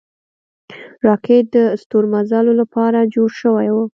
راکټ د ستورمزلو له پاره جوړ شوی و